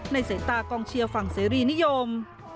สายตากองเชียร์ฝั่งเสรีนิยม